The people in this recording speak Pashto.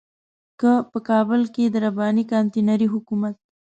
که په کابل کې د رباني کانتينري حکومت.